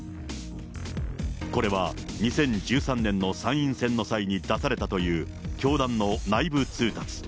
これは、２０１３年の参院選の際に出されたという、教団の内部通達。